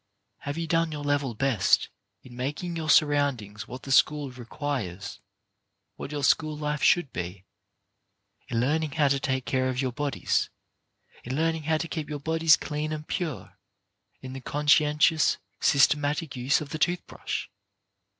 Have you done your level best in making your surroundings what the school requires, what your school life should be, in learning how to take care of your bodies, in learning how to keep your bodies clean and pure, in the conscientious, sys tematic use of the tooth brush